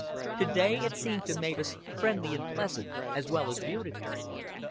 To day it seemed to Mavis friendly and pleasant as well as beautiful.